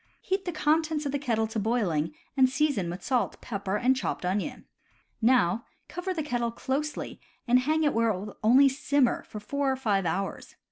Heat the contents of the kettle to boiling, and season with salt, pepper, and chopped onion. Now cover the kettle closely and hang it where it will only simmer for four or five hours.